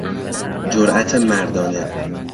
جرأت مردانه